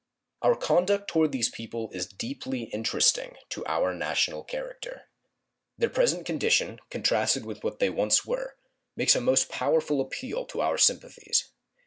Our conduct toward these people is deeply interesting to our national character. Their present condition, contrasted with what they once were, makes a most powerful appeal to our sympathies.